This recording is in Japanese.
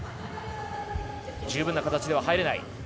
十分な形では入れない。